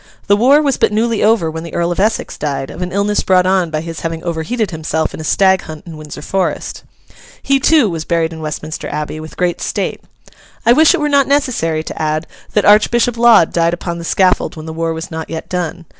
The war was but newly over when the Earl of Essex died, of an illness brought on by his having overheated himself in a stag hunt in Windsor Forest. He, too, was buried in Westminster Abbey, with great state. I wish it were not necessary to add that Archbishop Laud died upon the scaffold when the war was not yet done.